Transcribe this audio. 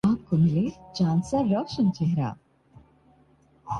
اورملزمان بڑی معصومیت سے کہتے ہیں۔